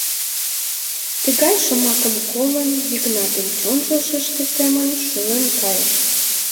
Тыгай шомакым колын, Йыгнатын чонжо шыште семын шулен кайыш.